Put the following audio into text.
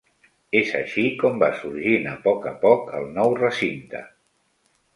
És així com va sorgint a poc a poc el nou recinte.